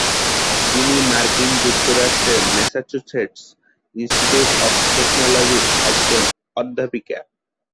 তিনি মার্কিন যুক্তরাষ্ট্রের ম্যাসাচুসেটস ইনস্টিটিউট অভ টেকনোলজির একজন অধ্যাপিকা।